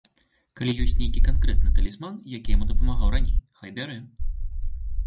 Калі ёсць нейкі канкрэтны талісман, які яму дапамагаў раней, хай бярэ.